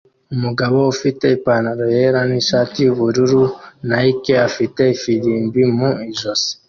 Umugabo ufite ipantaro yera nishati yubururu Nike afite ifirimbi mu ijosi